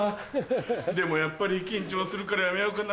でもやっぱり緊張するからやめようかな。